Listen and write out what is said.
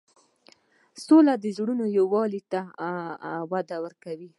سوله د زړونو یووالی ته وده ورکوي.